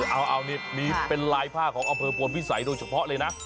เอานี่มีเป็นลายผ้าของอำเภอพลวิสัยโดยเฉพาะเลยนะ